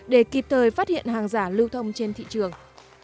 để kịp thời phát hiện hàng giả lưu thông trên thị trường